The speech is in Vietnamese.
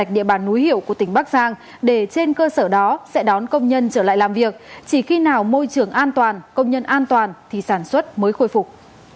để trên cơ sở đó sẽ đón công nhân trở lại làm việc chỉ khi nào môi trường an toàn công nhân an toàn thì sản xuất mới khôi phục